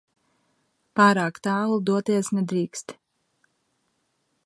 Pārāk tālu doties nedrīkst.